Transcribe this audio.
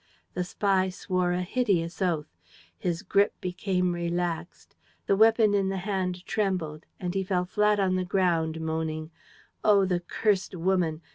The spy swore a hideous oath. His grip became relaxed. The weapon in the hand trembled and he fell flat on the ground, moaning: "Oh, the cursed woman!